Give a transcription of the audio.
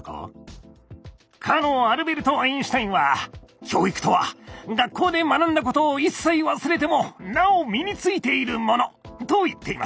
かのアルベルト・アインシュタインは「教育とは学校で学んだことを一切忘れてもなお身についているもの」と言っています。